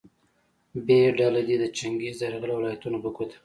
ب ډله دې د چنګیز د یرغل ولایتونه په ګوته کړي.